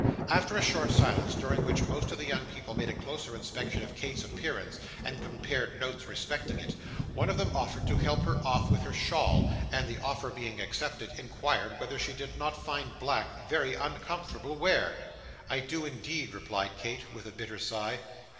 After a short silence, during which most of the young people made a closer inspection of Kate's appearance, and compared notes respecting it, one of them offered to help her off with her shawl, and the offer being accepted, inquired whether she did not find black very uncomfortable wear. 'I do indeed,' replied Kate, with a bitter sigh.